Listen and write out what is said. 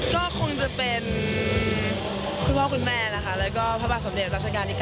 ก็คงจะเป็นคุณพ่อคุณแม่และพระบาทสำเร็จรัชกาลที่๙